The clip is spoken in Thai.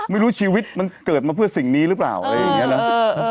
ไม่รู้ชีวิตมันเกิดมาเพื่อสิ่งนี้หรือเปล่าอะไรอย่างนี้นะ